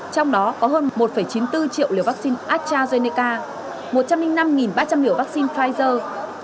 trong đó có hơn một chín mươi bốn triệu liều vaccine astrazeneca một trăm linh năm ba trăm linh liều vaccine pfizer